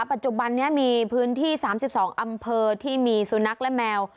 ปัจจุบันนี้มีพื้นที่๓๒อำเภอที่มีสุนัขและแมว